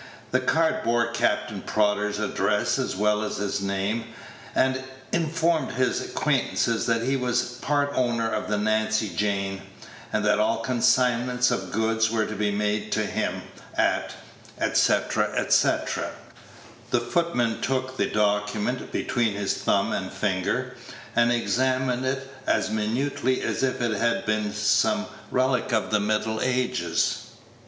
The card bore Captain Prodder's address as well as his name, and informed his acquaintances that he was part owner of the Nancy Jane, and that all consignments of goods were to be made to him at, etc., etc. The footman took the document between his thumb and finger, and examined it as minutely as if it had been some relic of the Middle Ages.